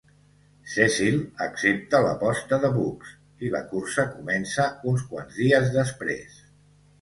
Cecil accepta l'aposta de Bugs, i la cursa comença uns quants dies després.